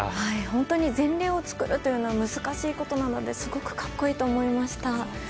本当に前例を作るのは難しいことなのですごく格好いいと思いました。